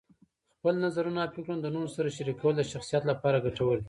خپل نظرونه او فکرونه د نورو سره شریکول د شخصیت لپاره ګټور دي.